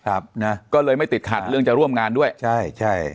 ครับนะก็เลยไม่ติดขัดเรื่องจะร่วมงานด้วยใช่ใช่